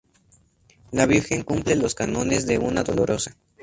La Virgen cumple los cánones de una Dolorosa.